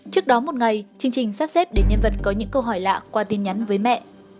trước đó một ngày chương trình sắp xếp để nhân vật có những câu hỏi lạ qua tin nhắn với mẹ